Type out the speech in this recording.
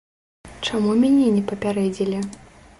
Чаму мяне не папярэдзілі?